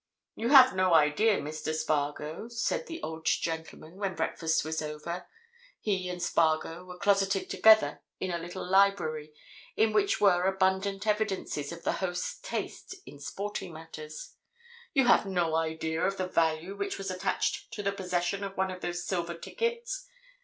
"You have no idea, Mr. Spargo," said the old gentleman, when, breakfast over, he and Spargo were closeted together in a little library in which were abundant evidences of the host's taste in sporting matters; "you have no idea of the value which was attached to the possession of one of those silver tickets.